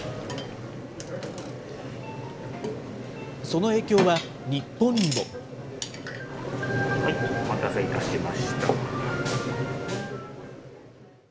その影響は日本にも。お待たせいたしました。